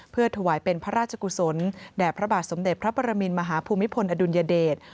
เพื่อถวายเป็นพระราชกุศลแด่พระบาทสมเด็จพระปรมินมหาภูมิพลอดุลยเดช